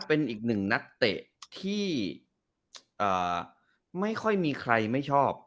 เป็นอีกหนึ่งนักเตะที่ไม่ค่อยมีใครไม่ชอบ